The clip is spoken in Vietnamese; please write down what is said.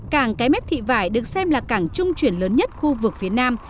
càng cái mép thị vải được xem là càng trung chuyển lớn nhất khu vực phía nam